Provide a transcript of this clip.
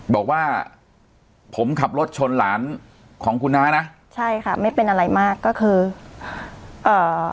บอกว่าผมขับรถชนหลานของคุณน้านะใช่ค่ะไม่เป็นอะไรมากก็คือเอ่อ